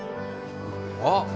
あっ！